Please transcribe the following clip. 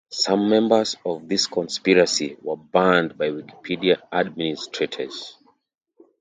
Some members of this conspiracy were banned by Wikipedia administrators.